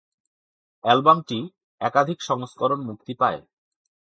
অ্যালবামটি একাধিক সংস্করণ মুক্তি পায়।